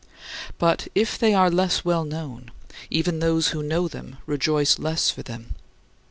But if they are less well known, even those who know them rejoice less for them.